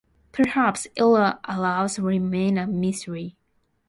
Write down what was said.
Perhaps it'll always remain a mystery.